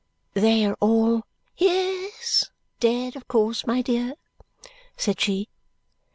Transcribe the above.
"They are all " "Ye es. Dead of course, my dear," said she.